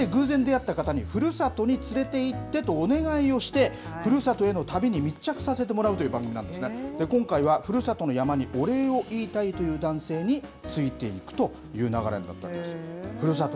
街で偶然出会った方に、ふるさとに連れて行って！とお願いをして、ふるさとへの旅に密着させてもらうという番組なんですが、今回はふるさとの山にお礼を言いたいという男性についていくという流れになったんです。